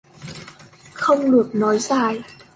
Không được nói dài